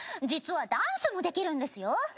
実はダンスもできるんですよ。